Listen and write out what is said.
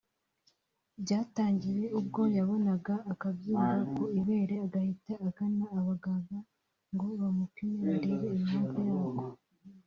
Byatangiye ubwo yabonaga akabyimba ku ibere agahita agana abaganga ngo bamupime barebe impamvu yako